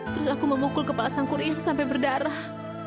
terus aku memukul kepala sangku rian sampai berdarah